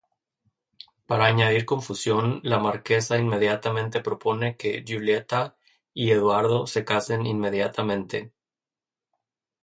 Para añadir confusión, la marquesa inmediatamente propone que Giulietta y Edoardo se casen inmediatamente.